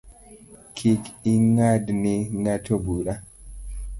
Kik ing’ad ni ng’ato bura